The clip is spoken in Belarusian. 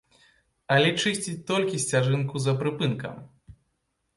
Але чысціць толькі сцяжынку за прыпынкам.